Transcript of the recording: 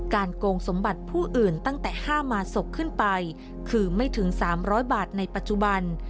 โกงสมบัติผู้อื่นตั้งแต่๕มารศพขึ้นไปคือไม่ถึง๓๐๐บาทในปัจจุบัน